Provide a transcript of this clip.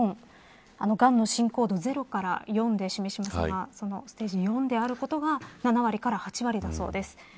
がんの進行度０から４で示しますがそのステージ４であることが７割から８割だそうです。